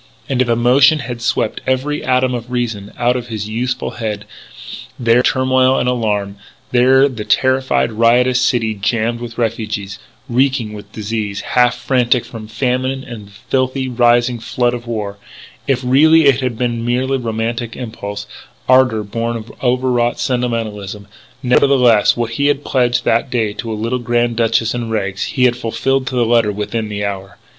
And if emotion had swept every atom of reason out of his youthful head, there in the turmoil and alarm there in the terrified, riotous city jammed with refugees, reeking with disease, half frantic from famine and the filthy, rising flood of war if really it all had been merely romantic impulse, ardour born of overwrought sentimentalism, nevertheless, what he had pledged that day to a little Grand Duchess in rags, he had fulfilled to the letter within the hour.